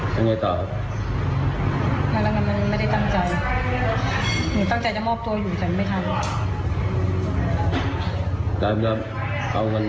ก็ออกมานะฮะแต่คนมาเข้าหาไป